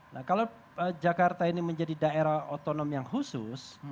nah kalau jakarta ini menjadi daerah otonom yang khusus